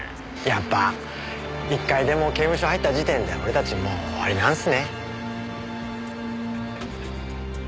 やっぱ１回でも刑務所入った時点で俺たちもう終わりなんすね。